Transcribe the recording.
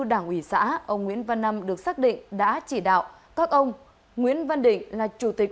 đảng ủy xã ông nguyễn văn năm được xác định đã chỉ đạo các ông nguyễn văn định là chủ tịch